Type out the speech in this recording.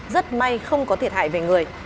rất may không có thiệt hại về người